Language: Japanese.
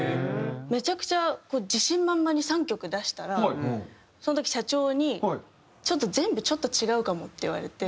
めちゃくちゃ自信満々に３曲出したらその時社長に「ちょっと全部ちょっと違うかも」って言われて。